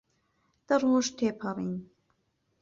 دە ڕۆژ تێپەڕین.